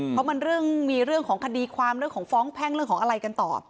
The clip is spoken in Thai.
เพราะมันเรื่องมีเรื่องของคดีความเรื่องของฟ้องแพ่งเรื่องของอะไรกันต่อ